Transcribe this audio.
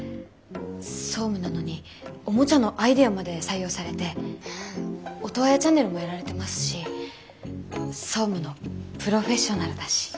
総務なのにおもちゃのアイデアまで採用されてオトワヤチャンネルもやられてますし総務のプロフェッショナルだし。